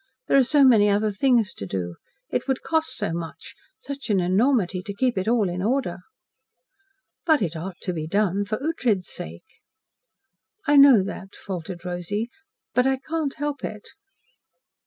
"There are so many other things to do. It would cost so much such an enormity to keep it all in order." "But it ought to be done for Ughtred's sake." "I know that," faltered Rosy, "but I can't help it."